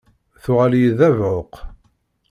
Tuɣal-iyi d abeɛɛuq.